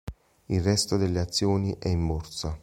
Il resto delle azioni è in Borsa.